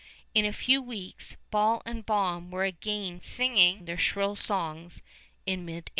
In a few weeks ball and bomb were again singing their shrill songs in mid air.